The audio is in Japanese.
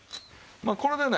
まあこれでね。